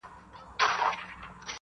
چنګ دي کم رباب دي کم سارنګ دي کم!!